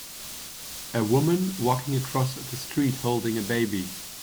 A woman walking across the street holding a baby.